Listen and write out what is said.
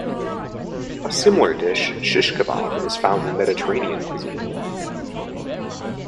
A similar dish, shish kebab is found in Mediterranean cuisine.